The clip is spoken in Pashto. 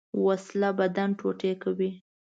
وسله بدن ټوټې کوي